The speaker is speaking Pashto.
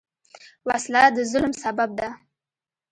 وسله د ظلم سبب ده